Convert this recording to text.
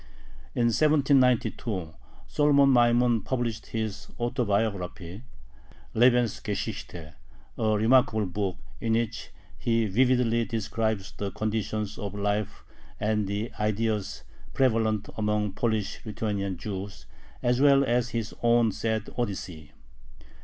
In 1792 Solomon Maimon published his "Autobiography" (Lebensgeschichte), a remarkable book, in which he vividly describes the conditions of life and the ideas prevalent among Polish Lithuanian Jews as well as his own sad Odyssey.